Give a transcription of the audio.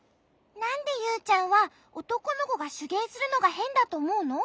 なんでユウちゃんはおとこのこがしゅげいするのがへんだとおもうの？